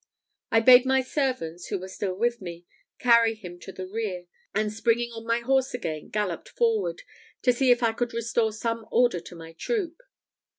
I bade my servants, who were still with me, carry him to the rear; and springing on my horse again, galloped forward, to see if I could restore some order to my troop.